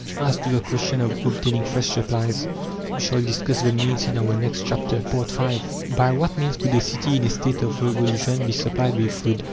As to the question of obtaining fresh supplies, we shall discuss the means in our next chapter. V By what means could a city in a state of revolution be supplied with food?